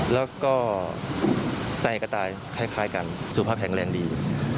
แล้วก็ใส่กระต่ายคล้ายกันสุขภาพแข็งแรงดี